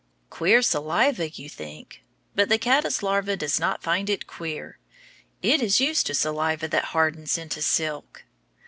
Queer saliva you think. But the caddice larva does not find it queer. It is used to saliva that hardens into silk.